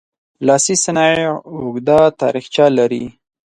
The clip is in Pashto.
لاسي صنایع اوږده تاریخچه لري.